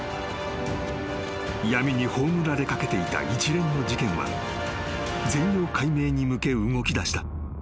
［闇に葬られかけていた一連の事件は全容解明に向け動きだした］